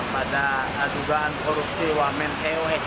pada dugaan korupsi wamen eos